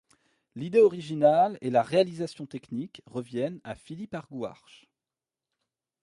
L'idée originale et la réalisation technique reviennent à Philippe Argouarch.